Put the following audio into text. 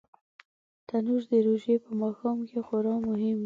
تنور د روژې په ماښام کې خورا مهم وي